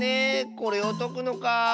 これをとくのか。